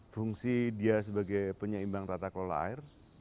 fungsi dia sebagai penyeimbang tata kelola air